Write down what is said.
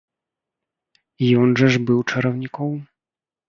Ён жа ж быў чараўніком.